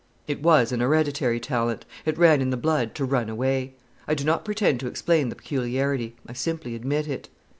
It was an hereditary talent. It ran in the blood to run away. I do not pretend to explain the peculiarity. I simply admit it.